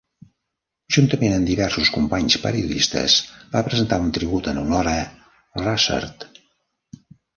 Juntament amb diversos companys periodistes, va presentar un tribut en honor a Russert.